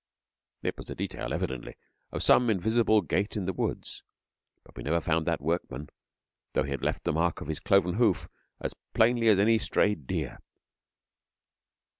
It was a detail, evidently, of some invisible gate in the woods; but we never found that workman, though he had left the mark of his cloven foot as plainly as any strayed deer.